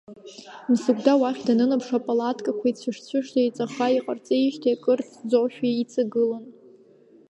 Мсыгәда уахь данынаԥш апалаткақәа цәыш-цәышӡа иҵаӷӷа иҟарҵеижьҭеи акыр ҵӡошәа иҵагылан.